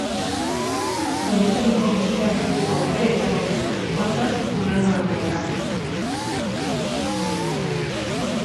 Denetariko musika entzuteko aukera izango duzue, hortaz, hurrengo egunetan.